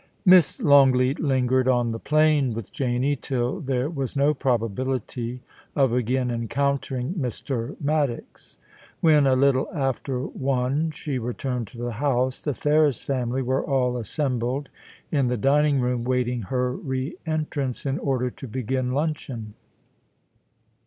Miss Longleat lingered on the plain with Janie, till there was no probability of again encountering Mr. Maddox. When, a little after one, she returned to the house, the Ferris family were all assembled in the dining room waiting her re entrance in order to begin luncheon. 90 POLICY AND PASSION.